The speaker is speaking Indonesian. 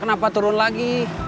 kenapa turun lagi